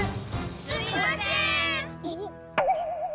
すみません。